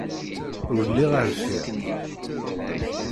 Ur lliɣ rfiɣ.